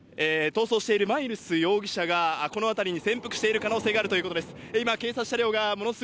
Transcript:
逃走しているマイルス容疑者が、この辺りに潜伏してる可能性があるということです。